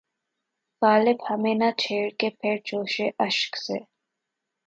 غالب ہمیں نہ چھیڑ کہ پھر جوشِ اشک سے